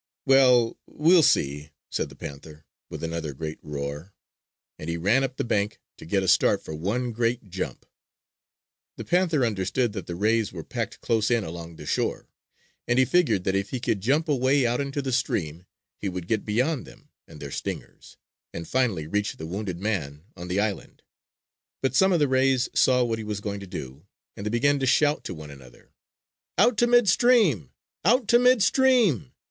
"Well, we'll see!" said the panther, with another great roar; and he ran up the bank to get a start for one great jump. The panther understood that the rays were packed close in along the shore; and he figured that if he could jump away out into the stream he would get beyond them and their stingers, and finally reach the wounded man on the island. But some of the rays saw what he was going to do, and they began to shout to one another: "Out to mid stream! Out to mid stream!